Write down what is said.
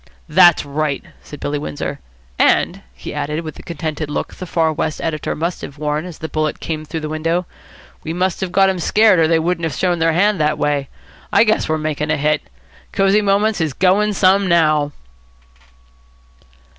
"That's right," said Billy Windsor. "And," he added, with the contented look the Far West editor must have worn as the bullet came through the window, "we must have got them scared, or they wouldn't have shown their hand that way. I guess we're making a hit. Cosy Moments is going some now."